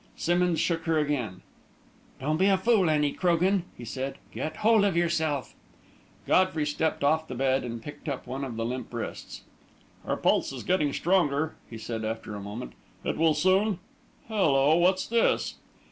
Simmonds shook her again. "Don't be a fool, Annie Crogan!" he said. "Get hold of yourself!" Godfrey stepped off the bed and picked up one of the limp wrists. "Her pulse is getting stronger," he said, after a moment. "It will soon hello, what's this!"